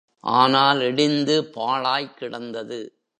ஆனால் இடிந்து பாழாய் கிடந்தது.